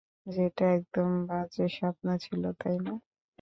যেটা একদম বাজে সপ্ন ছিল তাইনা।